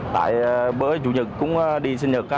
tại bữa chủ nhật cũng đi sinh nhật á